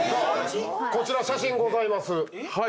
こちら写真ございます。